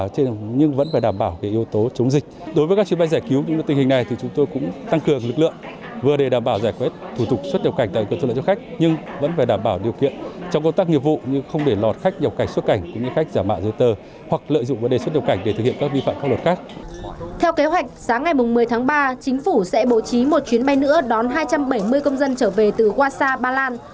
theo kế hoạch sáng ngày một mươi tháng ba chính phủ sẽ bố trí một chuyến bay nữa đón hai trăm bảy mươi công dân trở về từ warsaw ba lan